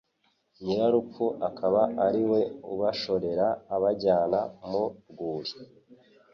Nyirarupfu akaba ari we ubashorera abajyana mu rwuri